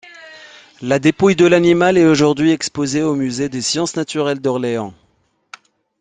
La dépouille de l’animal est aujourd'hui exposée au musée des sciences naturelles d’Orléans.